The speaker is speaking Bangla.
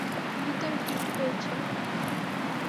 ভেতরে কী কী পেয়েছো?